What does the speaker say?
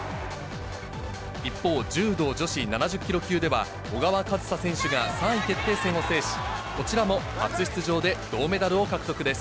一方、柔道女子７０キロ級では、小川和紗選手が３位決定戦を制し、こちらも初出場で銅メダルを獲得です。